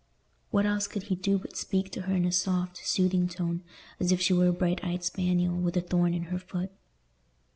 What else could he do but speak to her in a soft, soothing tone, as if she were a bright eyed spaniel with a thorn in her foot?